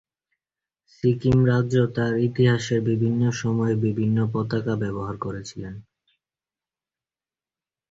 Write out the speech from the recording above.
সিকিম রাজ্য তার ইতিহাসের বিভিন্ন সময়ে বিভিন্ন পতাকা ব্যবহার করেছিল।